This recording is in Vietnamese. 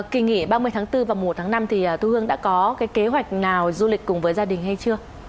kỳ nghỉ ba mươi tháng bốn và mùa tháng năm thu hương đã có kế hoạch nào du lịch cùng gia đình hay chưa